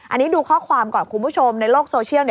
อันนี้ดูข้อความก่อนคุณผู้ชมในโลกโซเชียล